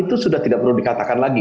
itu sudah tidak perlu dikatakan lagi